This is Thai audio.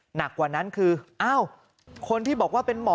หนักกว่านั้นคืออ้าวคนที่บอกว่าเป็นหมอ